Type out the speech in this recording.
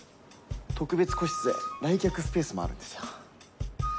特別個室で来客スペースもあるんですよ。